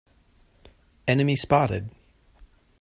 Enemy spotted!